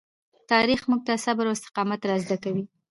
تاریخ موږ ته صبر او استقامت را زده کوي.